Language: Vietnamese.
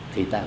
thì ta lo lắm